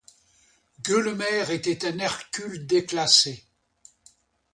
Gueulemer était un Hercule déclassé.